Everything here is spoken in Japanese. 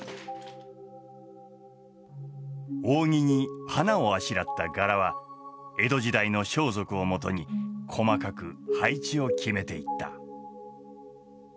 扇に花をあしらった柄は江戸時代の装束をもとに細かく配置を決めていった。